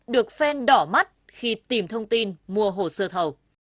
được phen đỏ mắt khi tìm thông tin mua hồ sơ thầu